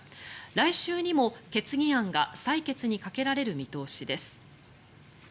来週にも決議案が採決にかけられる見通しです。